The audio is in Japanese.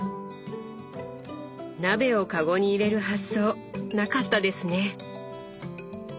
鍋をかごに入れる発想なかったですね！